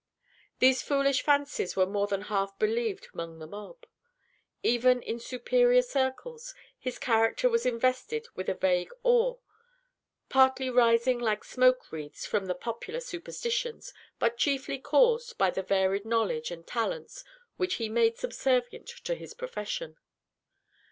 These foolish fancies were more than half believed among the mob. Even in superior circles, his character was invested with a vague awe, partly rising like smoke wreaths from the popular superstitions, but chiefly caused by the varied knowledge and talents which he made subservient to his profession.